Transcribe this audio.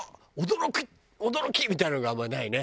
驚き驚き！みたいなのがあんまりないね。